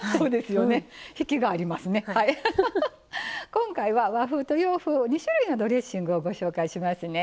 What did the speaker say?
今回は和風と洋風２種類のドレッシングをご紹介しますね。